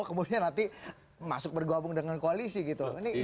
kemudian nanti masuk bergabung dengan koalisi gitu